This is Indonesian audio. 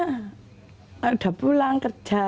mbak sudah pulang kerja